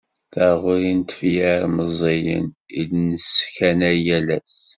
Taɣuri n tefyar meẓẓiyen i d-nesskanay yal ass.